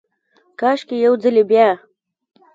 کاشکي ، یو ځلې بیا،